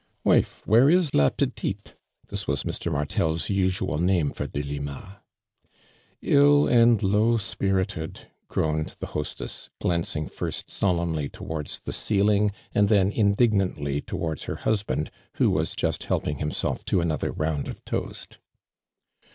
" Wife, where is la petifeT' This was Mr. Martel's usual name for Delima. " 111 and low spirited!" groaned the hos tess, glancing first solemnly towards the ceiling, and then indignantly towards her husband, who was just helping himself to another round of toast.